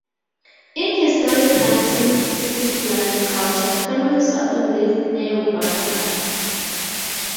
In historic times in Islamic culture, families often lived near one another.